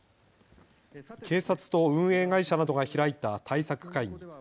警察と運営会社などが開いた対策会議。